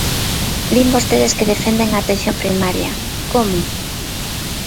Din vostedes que defenden a atención primaria, ¿como?